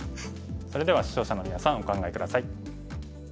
それでは視聴者のみなさんお考え下さい。